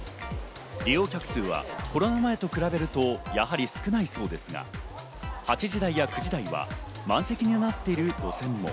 利用客数はコロナ前と比べるとやはり少ないそうですが、８時台や９時台は満席になっている路線も。